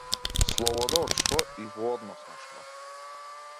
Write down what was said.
Слобода од што и во однос на што?